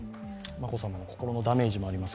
眞子さまの心のダメージもあります。